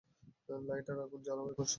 Light আর আগুন, জ্বালাও, একসন।